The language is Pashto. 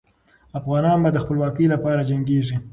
افغانان به د خپلواکۍ لپاره جنګېږي.